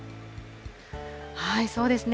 そうですね。